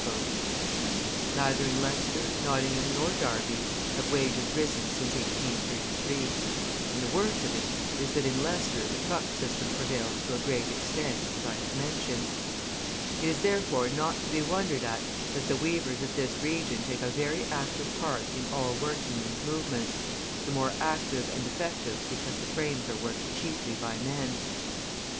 Neither in Leicester, Nottingham, nor Derby have wages risen since 1833; and the worst of it is that in Leicester the truck system prevails to a great extent, as I have mentioned. It is therefore not to be wondered at that the weavers of this region take a very active part in all working men's movements, the more active and effective because the frames are worked chiefly by men.